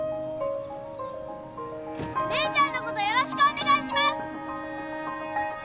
姉ちゃんのことよろしくお願いします